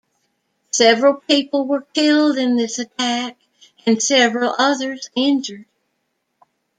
Several people were killed in this attack and several others injured.